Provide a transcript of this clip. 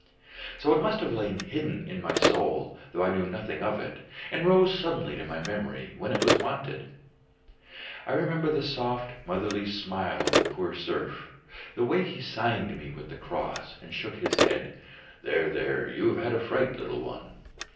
So it must have lain hidden in my soul, though I knew nothing of it, and rose suddenly to my memory when it was wanted; I remembered the soft motherly smile of the poor serf, the way he signed me with the cross and shook his head. "There, there, you have had a fright, little one!"